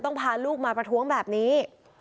พาลูกมาประท้วงแบบนี้